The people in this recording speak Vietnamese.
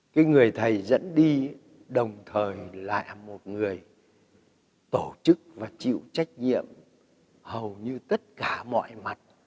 cái người thầy dẫn đi đồng thời lại một người tổ chức và chịu trách nhiệm hầu như tất cả mọi mặt